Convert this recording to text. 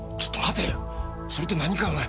それって何かお前。